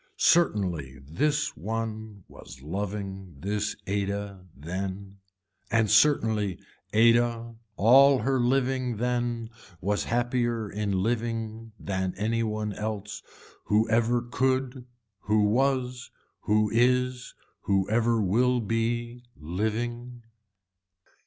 Certainly this one was loving this Ada then. And certainly Ada all her living then was happier in living than any one else who ever could, who was, who is, who ever will be living.